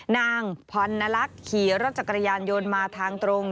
นางพรนลักษณ์ขี่รถจักรยานยนต์มาทางตรง